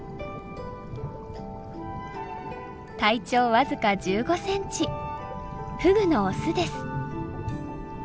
体長僅か１５ｃｍフグのオスです。